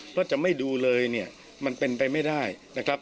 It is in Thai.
เพราะจะไม่ดูเลยเนี่ยมันเป็นไปไม่ได้นะครับ